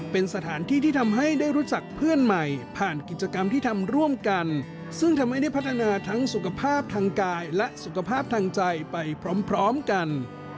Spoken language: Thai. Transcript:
เป็นสถานที่ที่ทำให้ได้รู้จักเพื่อนใหม่ผ่านกิจกรรมที่ทำร่วมกันซึ่งทำให้ได้พัฒนาทั้งสุขภาพทางกายและสุขภาพทางใจไปพร้อมกัน